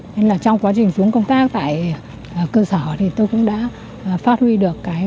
nên là trong quá trình xuống công tác tại cơ sở thì tôi cũng đã phát huy được cái